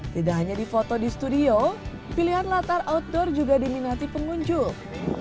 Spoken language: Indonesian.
tidak hanya di foto di studio pilihan latar outdoor juga diminati pengunjung